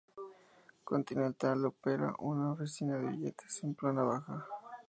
Continental opera una oficina de billetes en la planta baja.